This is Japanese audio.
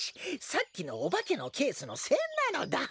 さっきのおばけのケースのせんなのだ。